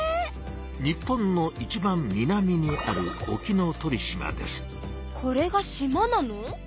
日本のいちばん南にあるこれが島なの？